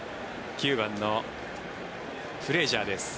９番のフレージャーです。